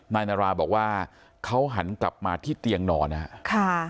นายนาราบอกว่าเขาหันกลับมาที่เตียงนอนนะครับ